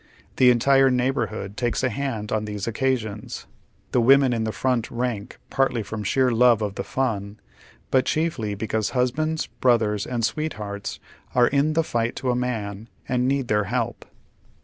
The entire neighborhood takes a hand on these occasions, the women in tlie front rank, partly from sheer love of the "fun," but chiefly because husbands, brothers, and sweet hearts are in tlie fight to a man and need their help.